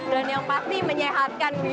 dan yang pasti menyehatkan gitu kan